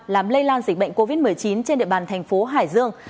làm lây lan dịch bệnh covid một mươi chín trên địa bàn thành phố hải dương